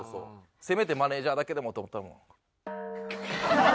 せめてマネージャーだけでもと思ったらもう。